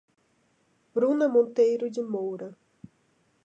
Bruna Monteiro de Moura